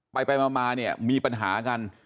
ไปมาเนี่ยมีปัญหากัน